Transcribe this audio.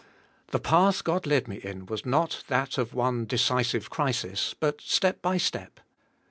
The path God led me in was not that of one decisive crisis, but step by step.